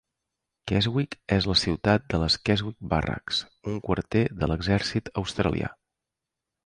Keswick és la ciutat de les Keswick Barracks, un quarter de l'exèrcit australià.